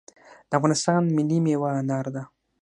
د افغانستان ملي میوه انار ده